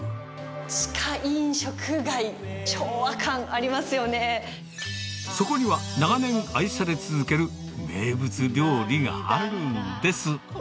地下飲食街、そこには、長年愛され続ける名物料理があるんです。